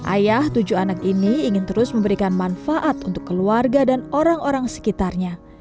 ayah tujuh anak ini ingin terus memberikan manfaat untuk keluarga dan orang orang sekitarnya